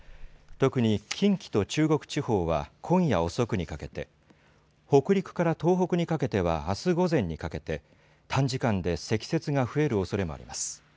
特に近畿と中国地方は今夜遅くにかけて、北陸から東北にかけてはあす午前にかけて短時間で積雪が増えるおそれもあります。